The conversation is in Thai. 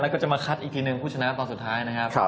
แล้วก็จะมาคัดอีกทีหนึ่งผู้ชนะตอนสุดท้ายนะครับ